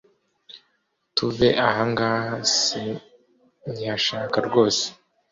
tuve ahangaha sinkihashaka rwose.